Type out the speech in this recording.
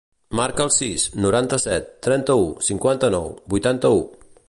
Marca el sis, noranta-set, trenta-u, cinquanta-nou, vuitanta-u.